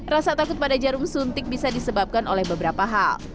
rasa takut pada jarum suntik bisa disebabkan oleh beberapa hal